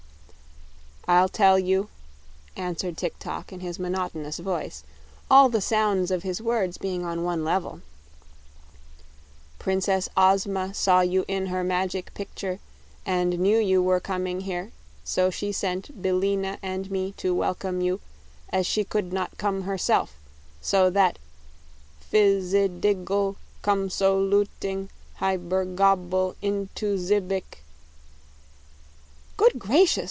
"I'll tell you," answered Tik tok, in his monotonous voice, all the sounds of his words being on one level "Prin cess Oz ma saw you in her mag ic pic ture, and knew you were com ing here; so she sent Bil lin a and me to wel come you as she could not come her self; so that fiz i dig le cum so lut ing hy ber gob ble in tu zib ick " "Good gracious!